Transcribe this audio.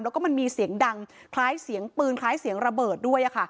แล้วก็มันมีเสียงดังคล้ายเสียงปืนคล้ายเสียงระเบิดด้วย